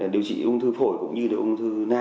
điều trị ung thư phổi cũng như điều ung thư na